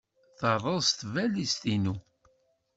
Terreẓ tbalizt-inu.